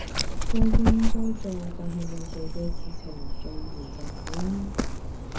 將應該做但係未做嘅事情做完就好啦